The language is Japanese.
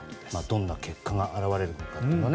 どんな結果が現れるかが。